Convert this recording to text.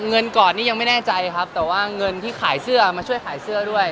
เงินก่อนนี่ยังไม่แน่ใจครับแต่ว่าเงินที่ขายเสื้อมาช่วยขายเสื้อด้วย